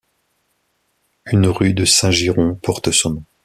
Une rue de Saint-Girons porte son nom.